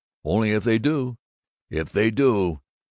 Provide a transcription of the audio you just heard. Only if they do if they do!